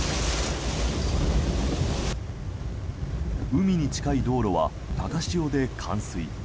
海に近い道路は高潮で冠水。